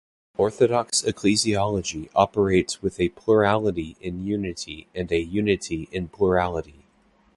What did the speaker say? Orthodox ecclesiology operates with a plurality in unity and a unity in plurality.